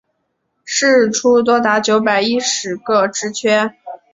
释出多达九百一十个职缺